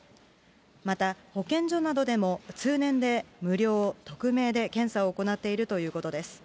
また、保健所などでも通年で無料、匿名で検査を行っているということです。